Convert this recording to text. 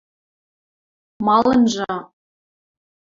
– Малынжы...